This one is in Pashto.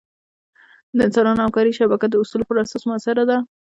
د انسانانو همکارۍ شبکه د اصولو پر اساس مؤثره وه.